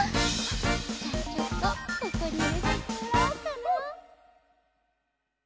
じゃあちょっとここにいれさせてもらおうかな。